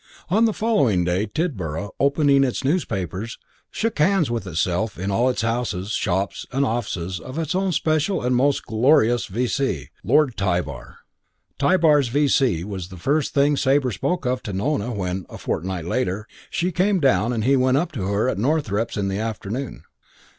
On the following day Tidborough, opening its newspapers, shook hands with itself in all its houses, shops and offices on its own special and most glorious V.C., Lord Tybar. III Tybar's V.C. was the first thing Sabre spoke of to Nona when, a fortnight later, she came down and he went up to her at Northrepps in the afternoon.